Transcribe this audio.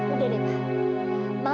udah deh ma